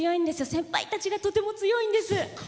先輩たちがとても強いんです。